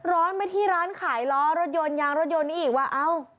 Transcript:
ร้อนไปที่ร้านขายล้อรถยนต์ยางรถยนต์นี้อีกว่าเอ้า